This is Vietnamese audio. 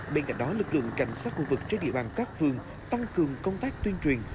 bên cạnh đó lực lượng cảnh sát khu vực trên địa bàn các phường tăng cường công tác tuyên truyền